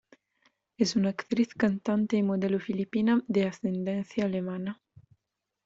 Es una actriz, cantante y modelo filipina, de ascendencia alemana.